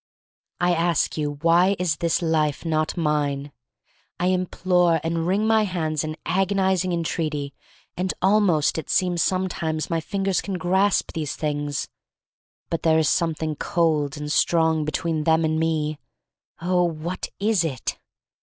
I ask you, Why is this life not mine? I implore and wring my hands in agonized entreaty, and almost it seems sometimes my fingers can grasp these things — but there is something cold and strong between them and me. Oh, what is it!